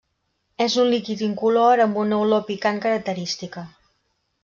És un líquid incolor amb una olor picant característica.